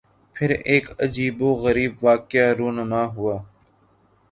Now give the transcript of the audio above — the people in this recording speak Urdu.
پھر ایک عجیب و غریب واقعہ رُونما ہوا